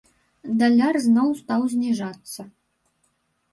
Даляр зноў стаў зніжацца.